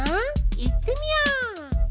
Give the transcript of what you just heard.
いってみよう！